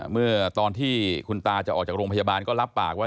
เมื่อตอนที่คุณตาจะออกจากโรงพยาบาลก็รับปากว่า